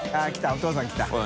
お父さん来た。